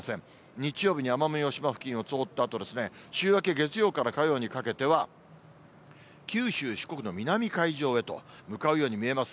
日曜日に奄美大島付近を通ったあとですね、週明け月曜から火曜にかけては、九州、四国の南海上へと向かうように見えます。